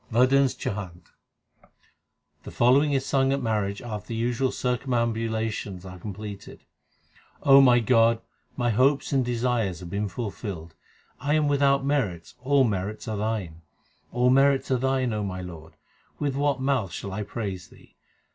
WADHANS CHHANT The following is sung at marriages after the usual circumambulations are completed : my God, my hopes and desires have been fulfilled. 1 am without merits ; all merits are Thine ; All merits are Thine, O my Lord ; with what mouth shall I praise Thee